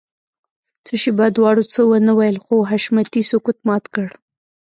څه شېبه دواړو څه ونه ويل خو حشمتي سکوت مات کړ.